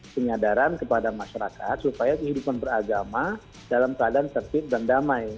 penyadaran kepada masyarakat supaya kehidupan beragama dalam keadaan tertib dan damai